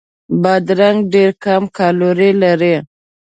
بادرنګ ډېر کم کالوري لري.